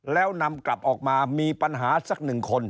แล้วนำกลับออกมามีปัญหาสักหนึ่งคน